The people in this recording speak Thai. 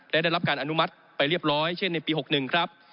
ได้รับการอนุมัติไปเรียบร้อยเช่นในปี๖๑ครับ